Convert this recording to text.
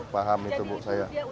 paham itu bu saya